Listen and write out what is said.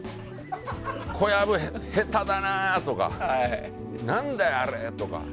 小籔、下手だなとか何だよあれとか。